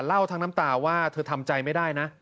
เล่าทั้งน้ำตาว่าเธอทำใจไม่ได้นะ